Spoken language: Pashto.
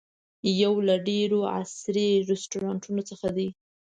یو له ډېرو عصري رسټورانټونو څخه دی.